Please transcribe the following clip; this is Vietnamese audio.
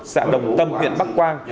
xã đồng tâm huyện bắc quang